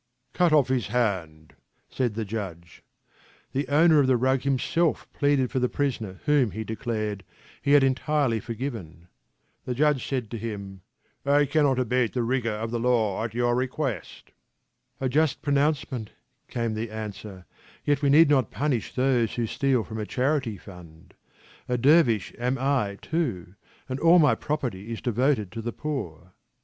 " Cut off his hand," said the Judge. The owner of the rug himself pleaded for the prisoner whom, he declared, he had entirely forgiven. The Judge said to him :" I cannot abate the rigour of the law at your request." " A just pronouncement," came the answer, "yet we need not punish those who steal from a chanty fund ; a dervish am I, too, and all my property is devoted to the poor."